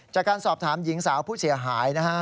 จากการสอบถามหญิงสาวผู้เสียหายนะฮะ